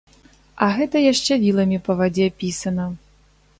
А гэта яшчэ віламі па вадзе пісана.